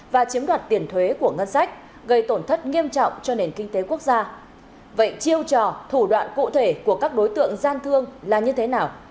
vậy chiêu trò thủ đoạn cụ thể của các đối tượng gian thương là như thế nào